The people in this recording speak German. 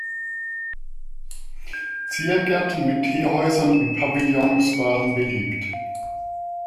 Ziergärten mit Teehäusern und Pavillons waren beliebt.